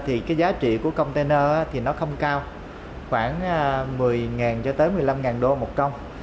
thì cái giá trị của container thì nó không cao khoảng một mươi cho tới một mươi năm đô một công